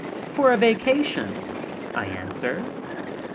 "For a vacation," I answer.